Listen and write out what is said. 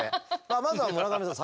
まずは村上さん